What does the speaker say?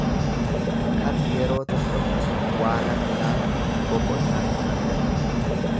Kan yeroo tokkotti waa lama yaadu boqonnaa hin argatu.